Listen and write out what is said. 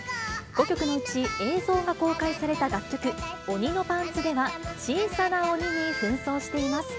５曲のうち、映像が公開された楽曲、おにのパンツでは、小さな鬼にふん装しています。